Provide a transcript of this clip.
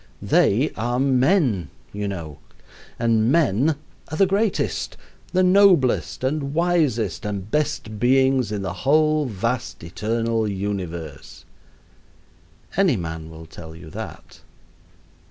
They are MEN, you know, and MEN are the greatest, and noblest, and wisest, and best beings in the whole vast eternal universe. Any man will tell you that.